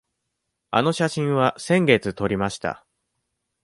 あの写真は先月撮りました。